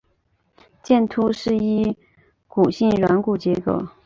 剑突是一骨性软骨结构。